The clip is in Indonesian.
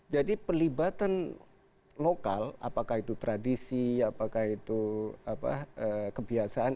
jadi pelibatan lokal apakah itu tradisi apakah itu kebiasaan